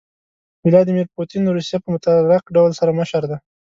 ويلاديمير پوتين روسيه په مطلق ډول سره مشر دي.